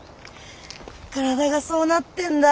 体がそうなってんだ。